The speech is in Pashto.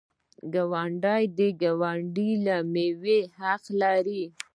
ګاونډی د ګاونډي له میوې حق لري.